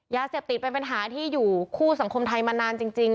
ยาเสพติดเป็นปัญหาที่อยู่คู่สังคมไทยมานานจริง